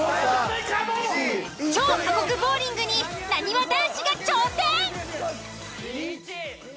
超過酷ボウリングになにわ男子が挑戦。